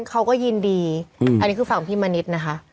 เขาก็ยินดีอันนี้คือฝั่งพี่มณิษฐ์นะคะ